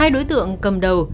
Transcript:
hai đối tượng cầm đầu